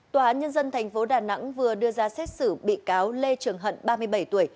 tòa án nhân dân tp đà nẵng vừa đưa ra xét xử bị cáo lê trường hận ba mươi bảy tuổi